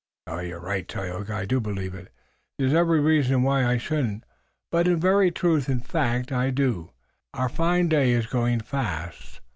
"You're right, Tayoga, I do believe it. There's every reason why I shouldn't, but, in very truth and fact, I do. Our fine day is going fast.